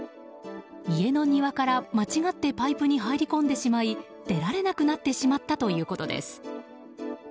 家の庭から間違ってパイプに入り込んでしまい出られなくなってしまったということです。